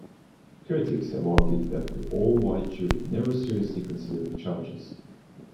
Critics have argued that the all-white jury never seriously considered the charges.